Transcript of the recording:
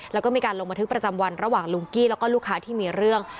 แล้วก็มีการลงบันทึกประจำวันระหว่างลุงกี้แล้วก็ลูกค้าที่มีเรื่อง